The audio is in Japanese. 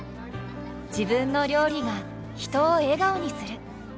自分の料理が人を笑顔にする。